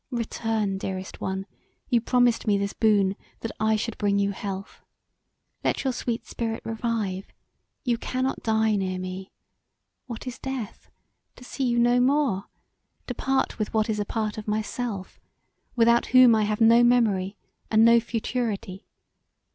Return; dearest one, you promised me this boon, that I should bring you health. Let your sweet spirit revive; you cannot die near me: What is death? To see you no more? To part with what is a part of myself; without whom I have no memory and no futurity?